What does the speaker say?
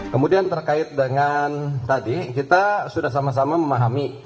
kemudian terkait dengan tadi kita sudah sama sama memahami